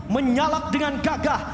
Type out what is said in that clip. menyalak dengan gagah